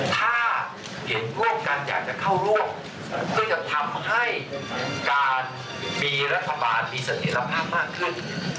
ถ้าเห็นร่วมกันอยากจะเข้าร่วมก็จะทำให้การมีรัฐบาลมีเสถียรภาพมากขึ้น